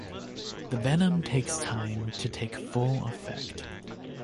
The venom takes time to take full effect.